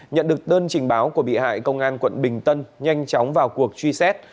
nhận được đơn trình báo của bị hại công an quận bình tân nhanh chóng vào cuộc truy xét